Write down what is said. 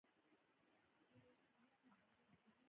کسر په لغت کښي ماتولو يا ټوټه - ټوټه کولو ته وايي.